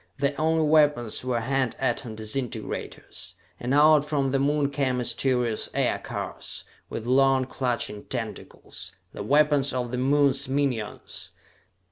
Their only weapons were hand atom disintegrators. And out from the Moon came mysterious aircars, with long clutching tentacles the weapons of the Moon's minions!